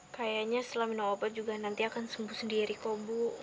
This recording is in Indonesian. kayaknya setelah minum obat juga nanti akan sembuh sendiri kok bu